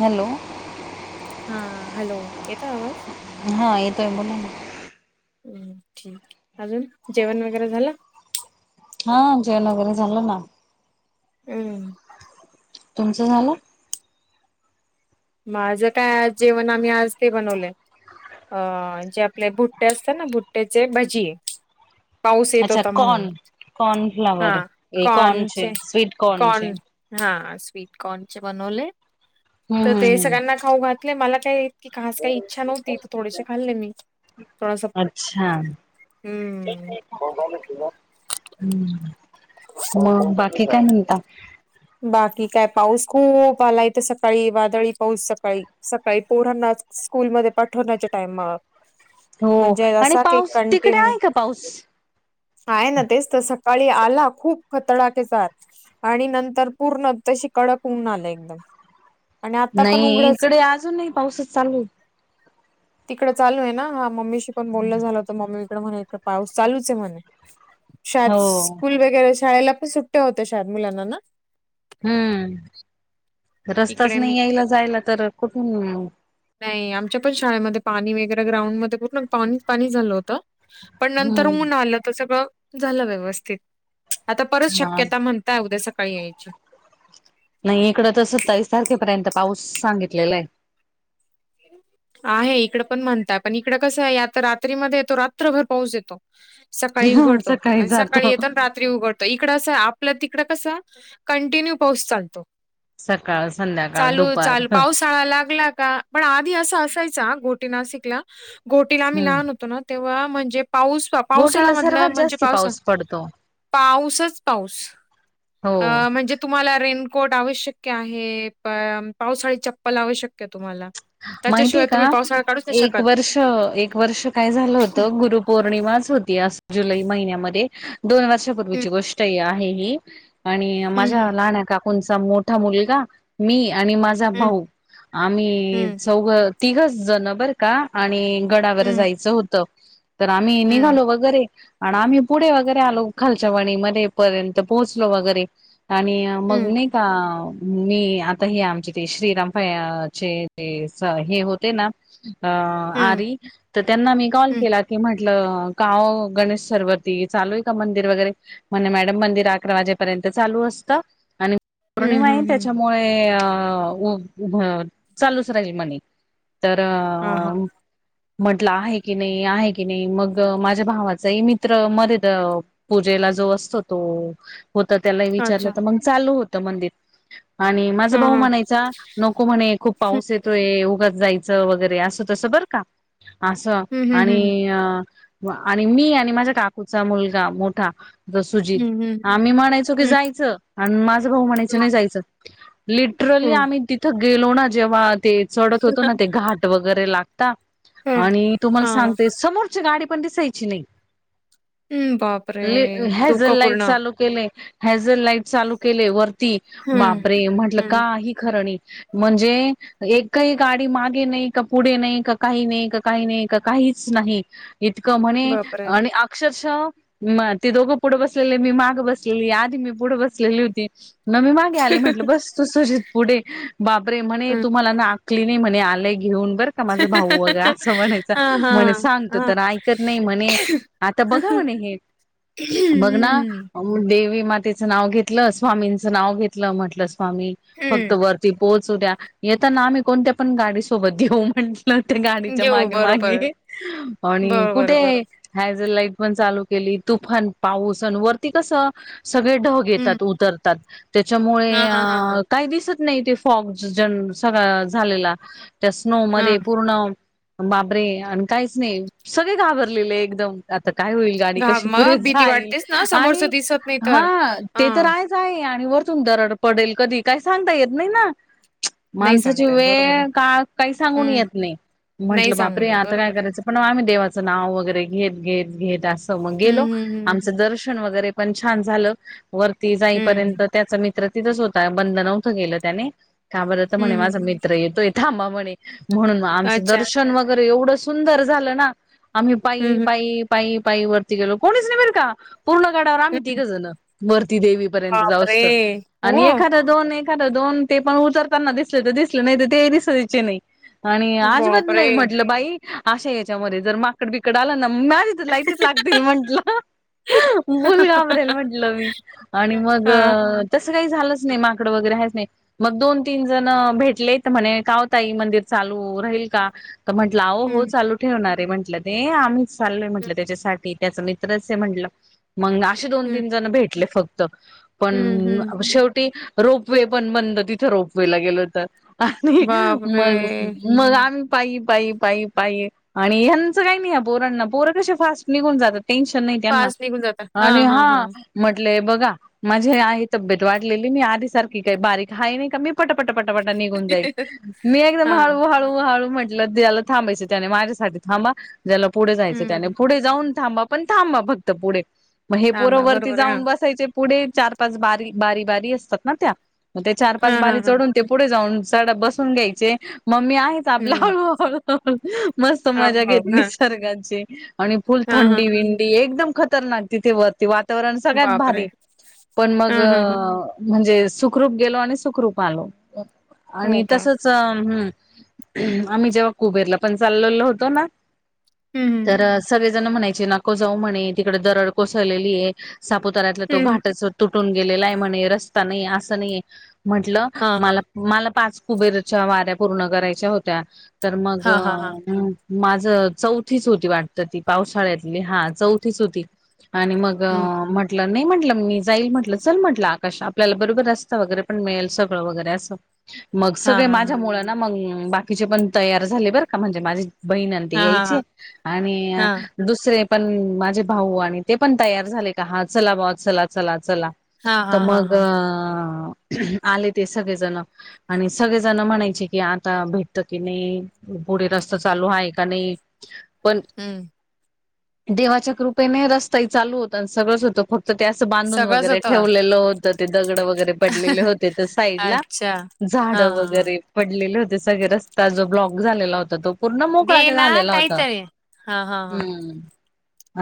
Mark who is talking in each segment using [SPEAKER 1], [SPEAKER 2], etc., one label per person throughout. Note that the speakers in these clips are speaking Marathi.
[SPEAKER 1] हॅलो!
[SPEAKER 2] हा हॅलो येतो आवाज?
[SPEAKER 1] हा एतोय बोला.
[SPEAKER 2] अजून, जेवण वगैरे झालं?
[SPEAKER 1] हा जेवन वगैरे झालं ना.
[SPEAKER 2] हम्म
[SPEAKER 1] तुमचं झालं.
[SPEAKER 2] माझं काय जेवण, आम्ही आज ते बनवलंय. अ जे आपले भुट्टे असतात ना भुट्टेचे भजी. पाऊस येत
[SPEAKER 1] अच्छा
[SPEAKER 2] होता म्हणून
[SPEAKER 1] कॉर्न
[SPEAKER 2] हा
[SPEAKER 1] कॉर्नफ्लावर
[SPEAKER 2] कॉनचे
[SPEAKER 1] कॉर्नचे स्वीट कॉर्नचे
[SPEAKER 2] कॉन- हा, स्वीटकॉर्न चे बनवले तर,
[SPEAKER 1] हम्म
[SPEAKER 2] ते
[SPEAKER 1] हम्म हम्म
[SPEAKER 2] सगळ्यांना खाऊ घातले. मला काय की, खास काही इच्छा नव्हती. तर थोडेसे खाल्ले. मी थोडस
[SPEAKER 1] अच्छा
[SPEAKER 2] हम्म....
[SPEAKER 1] मग... बाकी काय म्हणता.
[SPEAKER 2] बाकी काय पाऊस खू [inaudible] पालायथं सकाळी. वादळी पाऊस सकाळी. सकाळी पोरना स्कूलमध्ये पाठवण्याच्या टाइम. म
[SPEAKER 1] हो
[SPEAKER 2] म्हणजे,
[SPEAKER 1] आणि
[SPEAKER 2] असा की
[SPEAKER 1] पाऊस तिकडे
[SPEAKER 2] कंटीन.
[SPEAKER 1] आहे का पाऊस
[SPEAKER 2] आहे ना. तेच तर सकाळी आला. खूप खतडाकेचाार आणि नंतर तर पूर्ण तशी कडक पऊर्ण आला. एकदम आणि आता पण
[SPEAKER 1] नाही.
[SPEAKER 2] उघडच आहे
[SPEAKER 1] इकडे अजून नाही. पाऊसच चालू
[SPEAKER 2] तिकडे चालू आहे. ना हा मम्मीशी पण बोललं झालं. हो, तर मम्मी म्ह पाऊस चालूच आहे म्हणे. शाळेत
[SPEAKER 1] हो
[SPEAKER 2] स्कूल वगैरे, शाळेला पण सुट [inaudible] होते शाद मुलांना ना.
[SPEAKER 1] हम्म... रस्ताच
[SPEAKER 2] इकडे
[SPEAKER 1] नाही.
[SPEAKER 2] इकडे
[SPEAKER 1] यायला जायला तर, कुठून
[SPEAKER 2] नाही, आमच्या पण शाळेमध्ये पाणी वगैरे, ग्राउंडमध्ये पूर्ण पाणी पाणी झालं होत. पण, नंतर
[SPEAKER 1] हम्म
[SPEAKER 2] उन आलं. तर सगळं झालं व्यवस्थित. आता, परत
[SPEAKER 1] हा
[SPEAKER 2] शक्यता म्हणत. उद्या, सकाळी यायची.
[SPEAKER 1] नाही, इकडं त सत्ताईस तारखेपर्यंत पाऊस सांगितलेला आहे.
[SPEAKER 2] ह [inaudible] आहे. इकड पण म्हणताय, पण इकड कसं आहे. आता रात्रीमध्येध्ये येतो. रात्रभर पाऊस येतो. सकाळी
[SPEAKER 1] हा,
[SPEAKER 2] उघडतो, आणि सकाळी
[SPEAKER 1] जातो
[SPEAKER 2] येतानाात. उघडतो. इकड आपलं तिकड कस कंटिन्यू पाऊस चालतो.
[SPEAKER 1] सकाळ, संध्याकाळ, दुपार, ह
[SPEAKER 2] ळा लागला का, पण आधी अस असायचा गोटी, नाशिकला गोटीला आम्ही
[SPEAKER 1] हम्म
[SPEAKER 2] लहान होतो. ना तेव्हा, म्हणजे पाऊस पावसाळ्या
[SPEAKER 1] गोटीला
[SPEAKER 2] मधलं
[SPEAKER 1] सर्वात
[SPEAKER 2] म्हणजे?
[SPEAKER 1] जास्ती
[SPEAKER 2] पावसा,
[SPEAKER 1] पाऊस पडतो
[SPEAKER 2] पाऊसच पाऊस.
[SPEAKER 1] हो
[SPEAKER 2] अ.... म्हणजे? तुम्हाला रेनकोट आवश्यक आहे. प पावसाळी चप्पल आवश्यक तुम्हाला.
[SPEAKER 1] माहितीय
[SPEAKER 2] त्याच्याशिवाय
[SPEAKER 1] का
[SPEAKER 2] तुम्ही पावसाळा काढूच नाही
[SPEAKER 1] एक
[SPEAKER 2] शकत.
[SPEAKER 1] वर्ष एक वर्ष काय झालं होत. गुरुपौर्णिमाच होती, जुलै महिन्यामध्ये दोन
[SPEAKER 2] हं
[SPEAKER 1] वर्षापूर्वीची गोष्ट आहे, ही आणि
[SPEAKER 2] हं हं
[SPEAKER 1] माझ्या लहान का कोणचा मोठा मुलगा. मी आणि माझा
[SPEAKER 2] हं
[SPEAKER 1] भाऊ, आम्ही
[SPEAKER 2] हं
[SPEAKER 1] तिघच जण बर का, आणि गडावर
[SPEAKER 2] हं
[SPEAKER 1] जायचं होत. तर, आम्ही
[SPEAKER 2] हं
[SPEAKER 1] निघालो वगैरे आणि आम्ही पुढे वगैरे आलो. खालच्या वणी मध्ये पर्यंत पोहोचलो वगैरे. आणि मग
[SPEAKER 2] हं
[SPEAKER 1] नाही का, मी आता ह आमचे ते श्रीराम फायचे ते हे होते ना.
[SPEAKER 2] हं
[SPEAKER 1] आरी तर त्यांना मी कॉल
[SPEAKER 2] हं
[SPEAKER 1] केला, की म्हट का हो गणेश सर वरती चालू आहे. का मंदिर वगैरे. म्हण मॅडम मंदिर अकरा वाजेपर्यंत चालू असतं. आणि
[SPEAKER 2] हं
[SPEAKER 1] पौर्णिमा आहे,
[SPEAKER 2] हं हं.
[SPEAKER 1] त्याच्यामुळे अ उभ चालूच राहील, म्हणे तर
[SPEAKER 2] हा... हा....
[SPEAKER 1] म्हंटलं आहे की, नाही आहे की नाही, मग माझ्या भावाचाही मित्र मध्येेत. पूजेला जो असतो. तो होता त्याला
[SPEAKER 2] अच्छा.
[SPEAKER 1] विचारलं, तर मग चालू होतं मंदिर. आणि
[SPEAKER 2] हा
[SPEAKER 1] माझं भाऊ
[SPEAKER 2] हा.
[SPEAKER 1] म्हणायचा नको, म्हणे खूप पाऊस येतोय उगाच जायच. वगैरे अस तस बर का, असं
[SPEAKER 2] हं हं हं हं.
[SPEAKER 1] आणि आणि मी आणि माझ्या काकूचा मुलगा मोठा सुजित.
[SPEAKER 2] हं हं.
[SPEAKER 1] आम्ही म्हणायचो की
[SPEAKER 2] हं.
[SPEAKER 1] जायचं आणि माझं भाऊ म्हणायचं नाही जायचं. लिट ट्रली
[SPEAKER 2] हं.
[SPEAKER 1] आम्ही तिथं गेलो ना जेव्हा ते चढत होतो ना ते घाट वगैरे लागता,
[SPEAKER 2] हं.
[SPEAKER 1] आणि तुम्हाला
[SPEAKER 2] हां.
[SPEAKER 1] सांगते समोर ची गाडी पण दिसायची नाही,
[SPEAKER 2] हं. बापरे!
[SPEAKER 1] हेजल
[SPEAKER 2] धोका
[SPEAKER 1] लाईट
[SPEAKER 2] पूर्ण.
[SPEAKER 1] चालू केले. हेझल लाईट चालू केले वरती,
[SPEAKER 2] हं.
[SPEAKER 1] बाप रे म्हटल
[SPEAKER 2] हं.
[SPEAKER 1] काही खरं नाही. म्हणजे एकही गाडी मागे नाही, का पुढे नाही, का काही, नाही का काही नाही का, काहीच नाही. इतकं म्हणे
[SPEAKER 2] बापरे!
[SPEAKER 1] आणि अक्षरशः मग ती दोघं पुढं बसलेले, मी माग बसलेली आधी मी पुढे बसलेली होती. मग मी माग आले म्हटलं, बस तू सुजित पुढे बाप प्रेमाने
[SPEAKER 2] हं.
[SPEAKER 1] तुम्हाला ना आकली नाही म्हणे आलंय घेऊन बर का माझं भाऊ वगैरे असं म्हणायचं,
[SPEAKER 2] हा हा
[SPEAKER 1] म्हणे सांगतो
[SPEAKER 2] हा.
[SPEAKER 1] तर ऐकत नाही म्हणे. आता बघा म्हणे हे.
[SPEAKER 2] हम्म,
[SPEAKER 1] बघ ना
[SPEAKER 2] हम्म.
[SPEAKER 1] देवी मातेचं नाव घेतलं, स्वामींचं नाव घेतलं म्हटलं स्वामी फक्त
[SPEAKER 2] हम्म
[SPEAKER 1] वरती पोहोचू द्या, येताना आम्ही कोणत्या पण गाडी सोबत घेऊ म्हणलं ते गाडीच्या
[SPEAKER 2] घेऊ
[SPEAKER 1] मागे-
[SPEAKER 2] बरोबर
[SPEAKER 1] मागे आणि
[SPEAKER 2] बरोबर
[SPEAKER 1] कुठे
[SPEAKER 2] बरोबर
[SPEAKER 1] हॅझल लाईट पण चालू केली, तुफान पाऊस आणि वरती कसं सगळे ढग
[SPEAKER 2] हम्म
[SPEAKER 1] येतात, उतरतात त्याच्यामुळे
[SPEAKER 2] हा हा हा हा
[SPEAKER 1] काय दिसत नाही ते. फॉग ज सगळ झालेला. त्या स्नो
[SPEAKER 2] हा
[SPEAKER 1] मध्ये पूर्ण बापरे आणि काहीच नाही, सगळे घाबरलेले एकदम आता काय होईल. गाडी
[SPEAKER 2] घाब
[SPEAKER 1] कशी पुढे
[SPEAKER 2] मग भीती
[SPEAKER 1] जाईल
[SPEAKER 2] वाटतेच ना समोरच
[SPEAKER 1] आणि
[SPEAKER 2] दिसत नाही तर
[SPEAKER 1] हा ते तर आहेच. आहे आणि वरतून दरड पडेल, कधी काही सांगता येत नाही ना.
[SPEAKER 2] नाही
[SPEAKER 1] माणसाची
[SPEAKER 2] सांगतायत बरोबर
[SPEAKER 1] वेळ
[SPEAKER 2] आहे
[SPEAKER 1] काळ काही सांगून
[SPEAKER 2] हम्म
[SPEAKER 1] येत नाही,
[SPEAKER 2] नाही
[SPEAKER 1] म्हंटलं बापरे
[SPEAKER 2] सांगून येत
[SPEAKER 1] आता काय
[SPEAKER 2] बरोबर आहे
[SPEAKER 1] करायचं. पणआम्ही देवाचं नाव वगैरे घेत, घेत, घेत असं मग
[SPEAKER 2] हम्म
[SPEAKER 1] गेलो.
[SPEAKER 2] हम्म
[SPEAKER 1] आमचं दर्शन वगैरे पण छान झालं, वरती
[SPEAKER 2] हम्म
[SPEAKER 1] जाईपर्यंत त्याच मित्र तिथंच होता. बंद नव्हतं गेलं त्याने. का बरंत म्हणे
[SPEAKER 2] हम्म हम्म
[SPEAKER 1] माझा
[SPEAKER 2] हम्म
[SPEAKER 1] मित्र येतोय, थांबा म्हणे म्हणून आमचं
[SPEAKER 2] अच्छा
[SPEAKER 1] दर्शन वगैरे एवढं सुंदर झालं ना, आम्ही
[SPEAKER 2] हम्म
[SPEAKER 1] पायी,
[SPEAKER 2] हम्म
[SPEAKER 1] पायी पाई, पाई वरती गेलो. कोणीच नाही बरका पूर्ण गडावर आम्ही तिघ
[SPEAKER 2] हम्म.
[SPEAKER 1] जण. वरती देवी पर्यंत
[SPEAKER 2] बापरे
[SPEAKER 1] जाऊस्तर.
[SPEAKER 2] हो
[SPEAKER 1] आणि एखादा दोन एखादं, दोन ते पण उतरताना दिसले तर दिसले नाही ते दिसायचं नाही. आणि अजिबात
[SPEAKER 2] बापरे
[SPEAKER 1] नाही म्हटलं बाई, अशा याच्यामध्ये जर माग इकड, बीकड आला ना. म्या लाईटीत लागतील म्हंटल. मुल घाबरेल म्हंटलं मी. आणि मग,
[SPEAKER 2] हा हा.
[SPEAKER 1] तसं काही झालंच नाही माकडं वगैरे हच नाही. मग दोन तीन जण भेटलेत म्हणे कावताई मंदिर चालू राहील का? म्हटल हो
[SPEAKER 2] हम्म
[SPEAKER 1] चालू ठेवणारे म्हटलं ते, आम्हीच चालोय म्हटलं त्याच्यासाठी त्याचा मित्रच म्हटलं. मग अशे दोन
[SPEAKER 2] हं,
[SPEAKER 1] -तीन जण भेटले फक्त,
[SPEAKER 2] हं,
[SPEAKER 1] पण
[SPEAKER 2] हं.
[SPEAKER 1] शेवटी रोपवे पण बंद तिथं रोपवेला गेलो तर आणि
[SPEAKER 2] बापरे!
[SPEAKER 1] मग, मग आम्ही पाय, पायी, पायी, पायी आणि ह्यांचं काही नाही या पोरांना पोर कसे फास्ट निघून जातात. टेन्शन नाही त्यांना,
[SPEAKER 2] फास्ट निघून जाता.
[SPEAKER 1] आणि
[SPEAKER 2] हां, हां,
[SPEAKER 1] हा
[SPEAKER 2] हां.
[SPEAKER 1] म्हटलेय बघा, माझे आहे तब्येत वाढलेली मी आधी सारखी काय बारीक हा नाही. का मी पटपटा पटापटा निघून जाईल. मी एकदम हळू
[SPEAKER 2] हां,
[SPEAKER 1] हळू हळू म्हटलं त्याला थांबायच त्याने माझ्यासाठी थांबा. ज्याला पुढे जायचं त्याने
[SPEAKER 2] हं.
[SPEAKER 1] पुढे जाऊन थांबा पण थांबा फक्त पुढे. म हे पोर
[SPEAKER 2] थांबा
[SPEAKER 1] वरती
[SPEAKER 2] बरोबर आहे.
[SPEAKER 1] जाऊन बसायचे. पुढे चार पाच बारी -बारी - बारी असतात ना त्या? मग ते चार पाच
[SPEAKER 2] हां, हां,
[SPEAKER 1] बारी
[SPEAKER 2] हां, हां.
[SPEAKER 1] अन ते पुढे जाऊन सड बसून घ्यायचे. मम्मी आहे च आपल
[SPEAKER 2] हं.
[SPEAKER 1] हळूहळू -हळू मस्त मजा
[SPEAKER 2] हळू-हळू.
[SPEAKER 1] घेतली
[SPEAKER 2] हां,
[SPEAKER 1] सर्गांची. आणि फुल
[SPEAKER 2] हां, हां.
[SPEAKER 1] थंडी विंडी एकदम खत - - तरनाक तिथे वरती वातावरण सगळ्यात
[SPEAKER 2] बापरे!
[SPEAKER 1] भारी. पण मग
[SPEAKER 2] हां, हां, हां.
[SPEAKER 1] म्हणजे सुखरूप गेलो आणि सुखरूप आलो. आणि
[SPEAKER 2] हो का?
[SPEAKER 1] तसच च हम्म. आम्ही जेव्हा कुबेरला पण चाललेलो होतो ना?
[SPEAKER 2] हम -हम.
[SPEAKER 1] तर सगळे जण म्हणायचे नको जाऊ म्हणे तिकडे दरड कोसळलेली आहे. सापुताऱ्यातला तो
[SPEAKER 2] हं.
[SPEAKER 1] घाटच तुटून गेलेला आहे म्हणे रस्ता नाही असं नाही म्हटलं.
[SPEAKER 2] हां, हां.
[SPEAKER 1] मला मला पाच कुबेराच्या वाऱ्या पूर्ण करायच्या होत्या. तर मग
[SPEAKER 2] हां, हां, हां.
[SPEAKER 1] माझ चौथीच होती वाटत ती पावसाळ्यातली. हा चौथीच होती. आणि मग मग
[SPEAKER 2] हं.
[SPEAKER 1] म्हंटलं नाही म्हटलं मी जाईल म्हटलं. चल म्हटलं आकाश आपल्याला बरोबर रस्ता वगैरे पण मिळेल स वगैरे अस. मग
[SPEAKER 2] हां,
[SPEAKER 1] सगळे
[SPEAKER 2] हां,
[SPEAKER 1] माझ्या
[SPEAKER 2] हां.
[SPEAKER 1] मुळ मग बाकीचे पण तयार झाले बरं का? म्हणजे माझी - - बहीण न ती
[SPEAKER 2] हां, हां,
[SPEAKER 1] यायची.
[SPEAKER 2] हां.
[SPEAKER 1] आणि
[SPEAKER 2] हां.
[SPEAKER 1] दुसरे पण माझे भाऊ आणि ते पण तयार झाले का हा चला बुवा चला -चला -चला.
[SPEAKER 2] हां,
[SPEAKER 1] तर
[SPEAKER 2] हां, हां,
[SPEAKER 1] मग
[SPEAKER 2] हां.
[SPEAKER 1] अ आले ते सगळेजण. आणि सगळेजण म्हणायचे की आता भेटत की नाही? पुढे रस्ता चालू आहे का नाही. पण
[SPEAKER 2] हम्म.
[SPEAKER 1] देवाच्या कृपेने रस्ताही चालू होता. सगळंच होतं फक् तर ते असं बांधून
[SPEAKER 2] सगळंच
[SPEAKER 1] वगैरे
[SPEAKER 2] होतं.
[SPEAKER 1] ठेवलेलं होतं ते दगड वगैरे पडलेले होते. ते साईडला.
[SPEAKER 2] अच्छा.
[SPEAKER 1] झाड
[SPEAKER 2] हां, हां, हां.
[SPEAKER 1] वगैरे पडलेले होते. सगळे रस्ता जो ब्लॉक झालेला होता तो. पूर्ण
[SPEAKER 2] दे
[SPEAKER 1] मोकळा का
[SPEAKER 2] ना
[SPEAKER 1] झालेला होता.
[SPEAKER 2] काहीतरी. हां, हां, हां.
[SPEAKER 1] हम्म.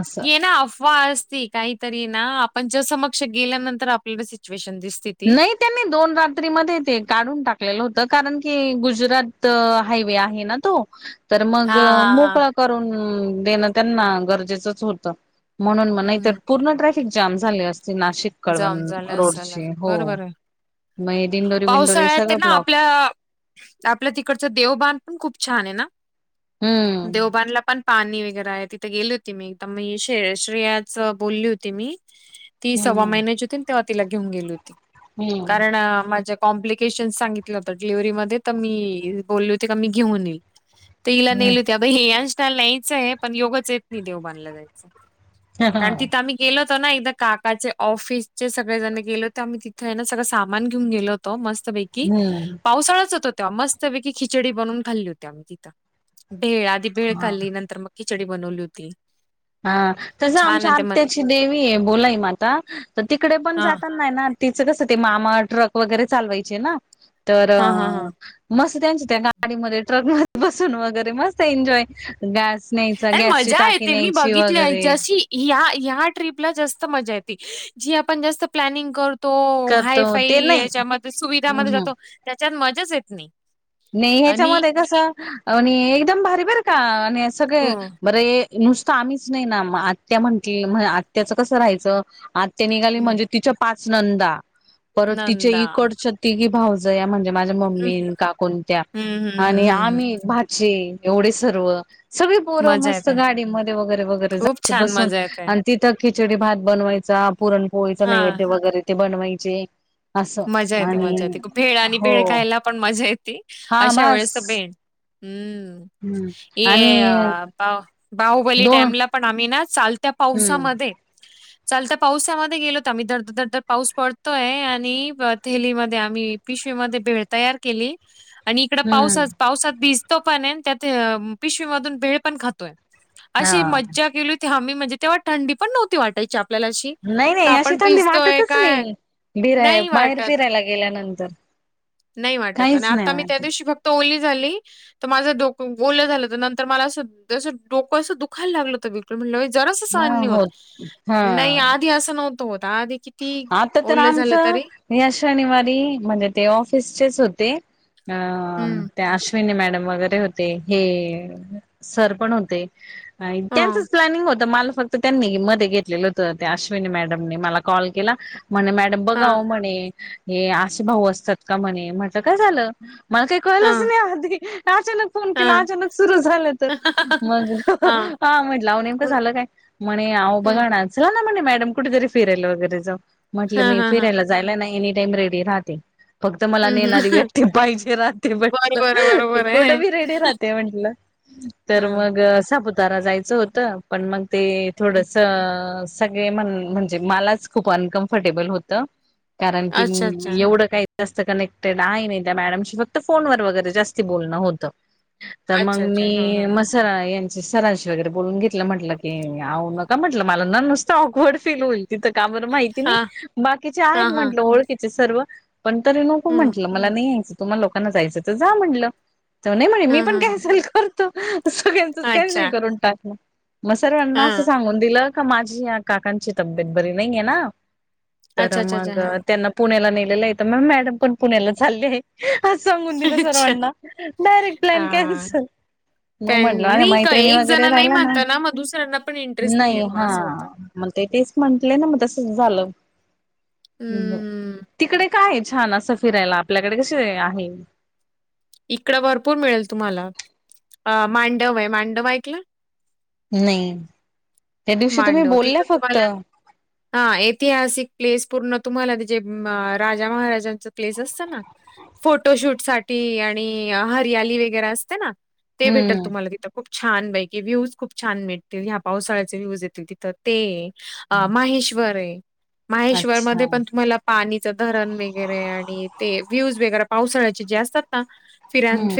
[SPEAKER 1] असं.
[SPEAKER 2] ये ना अफवाह असती. काहीतरी ना आपणच्या समक्ष गेल्यानंतर आपल्याला सिच्युएशन दिस
[SPEAKER 1] नाही. त्यांनी दोन रात्री मध्ये ते काढून टाकलेलं होत. कारण की गुजरात हायवे आहे ना? तो. तर
[SPEAKER 2] हा
[SPEAKER 1] मग
[SPEAKER 2] हा हा
[SPEAKER 1] मोकळा करून देणं त्यांना गरजेचंच होतं. म्हणून मन
[SPEAKER 2] हम्म,
[SPEAKER 1] नाहीतर
[SPEAKER 2] हम्म, हम्म.
[SPEAKER 1] पूर्ण ट्रॅफिक जाम झाले असते नाशिक कळवण
[SPEAKER 2] जाम झालं असेल
[SPEAKER 1] रोडचे. हो
[SPEAKER 2] बरोबर आहे
[SPEAKER 1] मग हे दिंडोरी -बिंडोरी सगळं ब्लॉक.
[SPEAKER 2] आ ऽ आपल्या तिकडचं देवबान पण खूप छान आहे ना?
[SPEAKER 1] हम्म.
[SPEAKER 2] देवबानला पण पाणी वगैरे आहे तिथे गेली होती मी तर मग श्रे -श्रेयाच बोलली होती मी. ती सव्वा
[SPEAKER 1] हम्म
[SPEAKER 2] महिन्याची होती ना? तेव्हा तिला घेऊन गेली होती.
[SPEAKER 1] हम्म
[SPEAKER 2] कारण माझ्या कॉम्प्लिकेशन सांगितलं होतं डिलेव्हरी मध्ये तर मी बोलले होती का मी घेऊन येईल. ते इला
[SPEAKER 1] हम्म.
[SPEAKER 2] नेल होती. [unintelligible] न्यायचंय पण योगच येत नाही देवबाणला जायचं. कारण तिथं आम्ही गेलो होतो ना एकदा? काकाच्या ऑफिसचे सगळे जण गेले होते. आम्ही तिथे आहे ना? सगळं सामान घेऊ गेलो होत मस्त पै कि
[SPEAKER 1] हम्म
[SPEAKER 2] पावसाळाच होता तेव्हा मस्तपैकी खिचडी बनून खाल्ली होती आम्ही तिथ भेळ ती भेळ
[SPEAKER 1] हा.
[SPEAKER 2] खाल्ली नंतर मग खिचडी बनवली होती.
[SPEAKER 1] हा तस
[SPEAKER 2] छान
[SPEAKER 1] आमच्या
[SPEAKER 2] आहे ते म
[SPEAKER 1] आत्याची देवी हे बोलाई माता तर तिकडे पण
[SPEAKER 2] हा
[SPEAKER 1] जातना यना. तिच कस ते मामा ट्रक वगैरे चालवायचे ना तर
[SPEAKER 2] हा हा हा.
[SPEAKER 1] मस्त त्यांच्या त्या गाडीमध्ये ट्रक मध्ये बसून वगैरे मस्त एन्जॉय गॅस न्यायचा गॅसची टाकी न्यायची.
[SPEAKER 2] बघितला
[SPEAKER 1] वगैरे
[SPEAKER 2] यांच्याशी. ह्या ह्या ट्रीपला जास्त मजा येते जी आपण जास्त प्लॅनिंग कर तो
[SPEAKER 1] करतो
[SPEAKER 2] हायफाय
[SPEAKER 1] ते
[SPEAKER 2] याच्यामध्ये सुविधामध्ये
[SPEAKER 1] नाही
[SPEAKER 2] जातो त्याच्यात मजाच येत नाही.
[SPEAKER 1] नाही
[SPEAKER 2] आणि
[SPEAKER 1] ह्याच्यामध्ये कस आणि एकदम भारी बर का आणि
[SPEAKER 2] हो
[SPEAKER 1] सगळे बरे नुसत आम्हीच नाही ना आत्या म्हंटली आत्याचं कस राहायच. ते निघाली
[SPEAKER 2] हम्म,
[SPEAKER 1] म्हणजे तिच्या पाच नंदा परत तिच्या
[SPEAKER 2] नंदा
[SPEAKER 1] इकडच्या तिघी भाऊज जया म्हणजे माझ्या
[SPEAKER 2] हम्म
[SPEAKER 1] मम्मी काकून त्या
[SPEAKER 2] हम्म हम्म
[SPEAKER 1] आणि
[SPEAKER 2] हम्म हम्म.
[SPEAKER 1] आम्ही भा चे एवढे सर्व. सगळी पोर
[SPEAKER 2] मजा
[SPEAKER 1] मस्त
[SPEAKER 2] येते
[SPEAKER 1] गाडीमध्ये वगैरे वगैरे
[SPEAKER 2] खूप
[SPEAKER 1] जायच
[SPEAKER 2] छान
[SPEAKER 1] बसून.
[SPEAKER 2] मजा येते
[SPEAKER 1] तिथ खिचडी भात बनवायचा पुरण पोळीचा
[SPEAKER 2] हा
[SPEAKER 1] नैवेद्य वगैरे ते बनवायचे. असं
[SPEAKER 2] मज्जा येते
[SPEAKER 1] आणि
[SPEAKER 2] मज्जा येते भेळ आणि
[SPEAKER 1] हो
[SPEAKER 2] भेळ खायला. पण मजा येती
[SPEAKER 1] हा
[SPEAKER 2] अशा वेळेस
[SPEAKER 1] बस
[SPEAKER 2] बेण हम्म.
[SPEAKER 1] हम्म आणि
[SPEAKER 2] ये पा बाहुबली
[SPEAKER 1] दोन
[SPEAKER 2] डॅमला पण आम्ही ना चालत्या
[SPEAKER 1] हम्म
[SPEAKER 2] पावसामध्ये चालत्या पावसामध्ये गेलोत आम्ही दर दर दरदर पाऊस पडतोय आणि ह थैलीमध्ये आम्ही पिशवीमध्ये भेळ तयार केली आणि इकड पावसात
[SPEAKER 1] हम्म
[SPEAKER 2] पावसात भी तो पण आहे त्यात पिशवी मधून भेळ पण खातोय
[SPEAKER 1] हा
[SPEAKER 2] अशी मज्जा केली. ते आम्ही म्हणजे तेव्हा थंडी पण नव्हती वाटायची आपल्याला अशी.
[SPEAKER 1] नाही
[SPEAKER 2] का
[SPEAKER 1] नाही अशी
[SPEAKER 2] आपण
[SPEAKER 1] थंडी
[SPEAKER 2] भिजतोय
[SPEAKER 1] वाटतच
[SPEAKER 2] काय
[SPEAKER 1] नाही बिराय
[SPEAKER 2] नाही
[SPEAKER 1] बाहेर
[SPEAKER 2] वाटत.
[SPEAKER 1] फिरायला गेल्यानंतर.
[SPEAKER 2] नाही वाटत आणि
[SPEAKER 1] काहीच नाही
[SPEAKER 2] आता मी त्या
[SPEAKER 1] वाटत
[SPEAKER 2] दिवशी फक्त ओली झाली. तर माझ डोक ओल झाल तर नंतर मला अस जस डोक असं दुखायला लागल बिलकुल. म्हणलं बाई जरास सहन नाही होत नाही
[SPEAKER 1] हा
[SPEAKER 2] आधी अस नव्हत होत आधी किती
[SPEAKER 1] आता तर
[SPEAKER 2] ओल झाल
[SPEAKER 1] आमचं
[SPEAKER 2] तरी
[SPEAKER 1] या शनिवारी म्हणजे ते ऑफिसचेच होते अ
[SPEAKER 2] हं,
[SPEAKER 1] ते आस अश्विनी मॅडम वगैरे होते हे सर पण होते. नाही
[SPEAKER 2] हां,
[SPEAKER 1] त्यांचच प्लॅनिंग होत मला फक्त त्यांनी मध्ये घेतलेल होत त्या अश्विनी मॅडमने मला. कॉल केला म्हणे मॅडम बघा
[SPEAKER 2] हां,
[SPEAKER 1] ओ म्हणे. हे असे भाऊ असतात का म्हणे म्हटल काय झाल? मला काही कळलच
[SPEAKER 2] हां,
[SPEAKER 1] नाही आधी अचानक फोन केला
[SPEAKER 2] हां.
[SPEAKER 1] अचानक सुरू झाल तर. मग
[SPEAKER 2] हां,
[SPEAKER 1] हा म्हटल नेमक
[SPEAKER 2] हं,
[SPEAKER 1] झाल काय? म्हणे आओ
[SPEAKER 2] हं.
[SPEAKER 1] बघा ना चला ना म्हणे मॅडम कुठेतरी फिरायला वगैरे जाऊ म्हटल
[SPEAKER 2] हां,
[SPEAKER 1] मी
[SPEAKER 2] हां, हां.
[SPEAKER 1] फिरायला जा जायला ना एनी टाईम रेडी राहते. फक्त मला
[SPEAKER 2] हं,
[SPEAKER 1] नेणारी
[SPEAKER 2] हं.
[SPEAKER 1] व्यक्ती पाहिजे राहते
[SPEAKER 2] बरोबर,
[SPEAKER 1] म्हटल
[SPEAKER 2] बरोबर
[SPEAKER 1] कुठ
[SPEAKER 2] आहे.
[SPEAKER 1] बी रेडी राहते म्हंटल. तर
[SPEAKER 2] हां,
[SPEAKER 1] मग साबूत तारा जायच होत पण मग ते
[SPEAKER 2] हं.
[SPEAKER 1] थोडस सगळे म्हण म्हणजे मलाच खूप अनकमफर्टेबल होत कारण की
[SPEAKER 2] अच्छा, अच्छा.
[SPEAKER 1] एवढं काय जास्त कनेक्टेड आहे नाही त्या मॅडमशी फक्त फोनवर वगैरे जास्त बोलण होत. तर मग
[SPEAKER 2] अच्छा,
[SPEAKER 1] मी
[SPEAKER 2] अच्छा. हां, हां.
[SPEAKER 1] मस्त स यांची सरांशी वगैरे बोलून घेतल म्हंटल की आओ नका म्हटल मला न नुसत ऑकवर्ड फील होईल तिथ. का बरं माहिती नाही
[SPEAKER 2] हां,
[SPEAKER 1] बाकीचे आहेत
[SPEAKER 2] हां, हां.
[SPEAKER 1] म्हंटल ओळखीचे सर्व. पण तरी नको
[SPEAKER 2] हं.
[SPEAKER 1] म्हटलं मला नाही यायचं तुम्हा लोकांना जायचं तर जा म्हटलं. त नाही म्हणे मी
[SPEAKER 2] हां,
[SPEAKER 1] पण
[SPEAKER 2] हां, हां.
[SPEAKER 1] कॅन्सल करतो सगळ्यांचच कॅन्सल
[SPEAKER 2] अच्छा.
[SPEAKER 1] करून टाकलं. मग सर्वांना असं
[SPEAKER 2] हां.
[SPEAKER 1] सांगून दिलं का माझी या काकांची तब्येत बरी नाहीये ना तर
[SPEAKER 2] अच्छा, अच्छा, अच्छा.
[SPEAKER 1] मग
[SPEAKER 2] हां.
[SPEAKER 1] त्यांना पुण्याला नेलेलं आहे तर मग मॅडम पण पुण्याला चालले आहे. आसं सांगून दिलं
[SPEAKER 2] अच्छा.
[SPEAKER 1] सर्वांना डायरेक्ट प्लॅन
[SPEAKER 2] हां.
[SPEAKER 1] कॅन्सल. मग म्हटलं माझ्या
[SPEAKER 2] त्यांनी का
[SPEAKER 1] मैत्रिणी
[SPEAKER 2] एक जण
[SPEAKER 1] वगैरे
[SPEAKER 2] नाही
[SPEAKER 1] राहिल्या ना
[SPEAKER 2] म्हणता मग दुसऱ्यांना पण इंटरेस्ट
[SPEAKER 1] नाही
[SPEAKER 2] येत मग
[SPEAKER 1] हा.
[SPEAKER 2] असं होतं.
[SPEAKER 1] मग ते तेच म्हटले ना मग तसच झालं हम्म
[SPEAKER 2] हं,
[SPEAKER 1] तिकडे काय आहे छान असं फिरायला आपल्याकडे कसे आहे
[SPEAKER 2] इकड भरपूर मिळेल तुम्हाला मांडव आहे मांडव ऐकलं?
[SPEAKER 1] नाही त्या दिवशी तुम्ही बोलल्या फक्त.
[SPEAKER 2] हा ऐतिहासिक प्लेस पूर्ण तुम्हाला त्या जे राजा महाराजांचा प्लेस असत ना फोटोशूट साठी आणि हरियाली वगैरे असते ना ते भेटेल
[SPEAKER 1] हम्म
[SPEAKER 2] तुम्हाला तिथं खूप छान पैकी व्ह्यूज खूप छान भेटतील ह्या पावसाळ्याचे व्ह्यूज येतील तिथं. ते माहेश्वर आहे माहेश्वर
[SPEAKER 1] अच्छा
[SPEAKER 2] मध्ये पण तुम्हाला पाणीचं धरण वगैरे आणि ते व्ह्यूज वगैरे पावसाळ्याचे जे असतात ना फिरण
[SPEAKER 1] हम्म